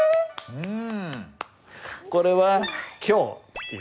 うん。